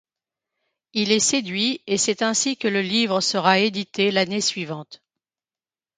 Il est séduit et c'est ainsi que le livre sera édité l'année suivante.